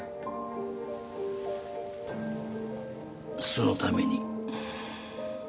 そのために。